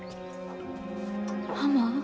ママ？